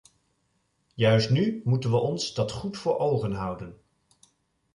Juist nu moeten we ons dat goed voor ogen houden.